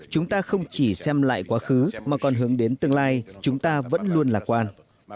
chúng ta không chỉ xem lại quá khứ mà còn hướng đến tương lai chúng ta vẫn luôn lạc quan